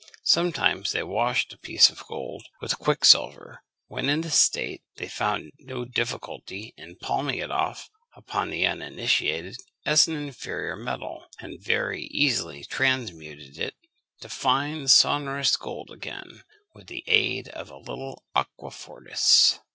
Sometimes they washed a piece of gold with quicksilver. When in this state, they found no difficulty in palming it off upon the uninitiated as an inferior metal, and very easily transmuted it into fine sonorous gold again with the aid of a little aquafortis.